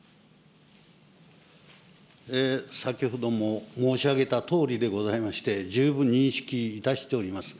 先ほども申し上げたとおりでございまして、十分認識いたしております。